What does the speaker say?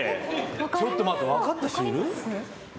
ちょっと待って分かった人いる？